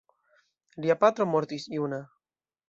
Lia patro mortis juna.